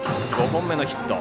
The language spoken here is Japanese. ５本目のヒット。